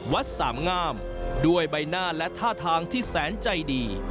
สามงามด้วยใบหน้าและท่าทางที่แสนใจดี